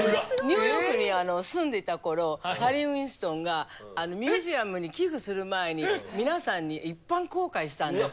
ニューヨークに住んでいた頃ハリー・ウィンストンがミュージアムに寄付する前に皆さんに一般公開したんですよ。